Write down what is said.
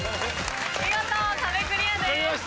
見事壁クリアです。